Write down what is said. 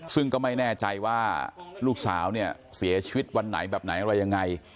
ซึ่งก็ไม่แน่ใจว่าลูกสาวเนี่ยเสียชีวิตวันไหนแบบไหนอะไรยังไง